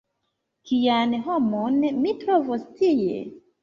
Kian homon mi trovos tie?